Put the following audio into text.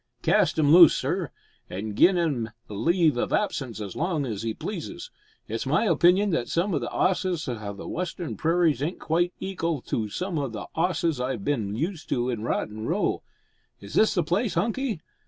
"Cast 'im loose, sir, an' gi'n 'im leave of absence as long as 'e pleases. It's my opinion that some the 'osses o' the western prairies ain't quite eekal to some o' the 'osses I've bin used to in Rotten Row. Is this the place, Hunky?